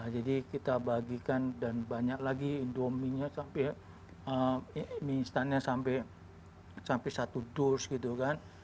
jadi kita bagikan dan banyak lagi dua mie nya sampai mie instannya sampai satu dos gitu kan